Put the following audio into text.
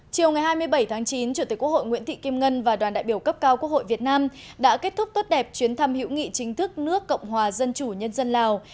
chiều ngày hai mươi bảy tháng chín chủ tịch quốc hội nguyễn thị kim ngân và đoàn đại biểu cấp cao quốc hội việt nam đã kết thúc tốt đẹp chuyến thăm hữu nghị chính thức nước cộng hòa dân chủ nhân dân lào